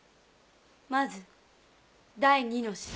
まず第二の詩。